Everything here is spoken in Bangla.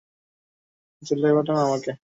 জেলে পাঠান আমাকে।